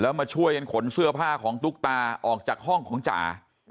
มาช่วยกันขนเสื้อผ้าของตุ๊กตาออกจากห้องของจ๋า